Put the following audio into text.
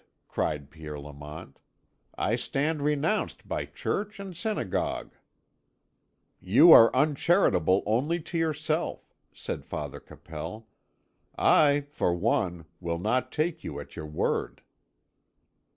cried Pierre Lamont. "I stand renounced by church and synagogue." "You are uncharitable only to yourself," said Father Capel. "I, for one, will not take you at your word."